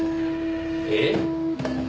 えっ？